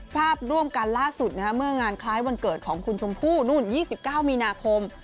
ภาพร่วมกันล่าสุดเมื่องานคล้ายวันเกิดของคุณชมพู่นู่น๒๙มีนาคม